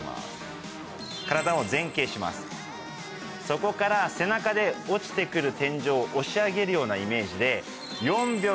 そこから背中で落ちて来る天井を押し上げるようなイメージで。